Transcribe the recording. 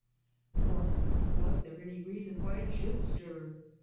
Nor was there any reason why it should stir.